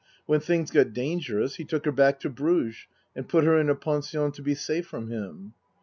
When things got dangerous he took her back to Bruges and put her in a pension to be safe from him."